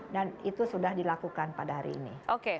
dan itu sudah dilakukan pada hari ini